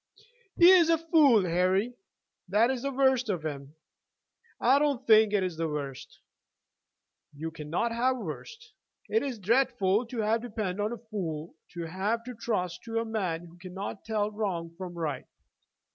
"He is a fool, Harry! That is the worst of him." "I don't think it is the worst." "You cannot have worse. It is dreadful to have to depend on a fool, to have to trust to a man who cannot tell wrong from right.